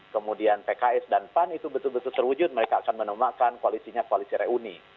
kemudian pks dan pan itu betul betul terwujud mereka akan menemakkan koalisinya koalisi reuni